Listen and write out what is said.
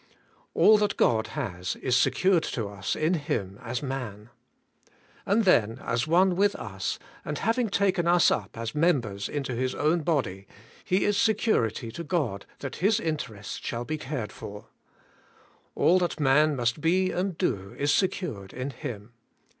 All that God has is secured to us in Him as man. And then, as one with us, and having taken us up as members into His own body. He is security to God that His interests shall be cared for. All that man must be and do is secured in Him.